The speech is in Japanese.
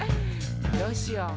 どうしよう？